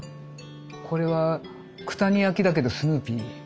これは九谷焼だけどスヌーピー。